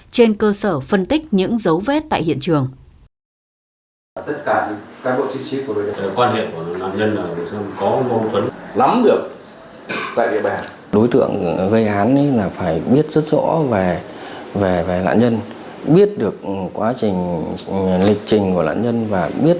trên cơ sở phân tích những dấu vết tại hiện trường